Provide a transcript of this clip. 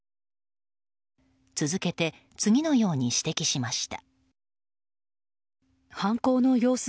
続けて次のように指摘しました。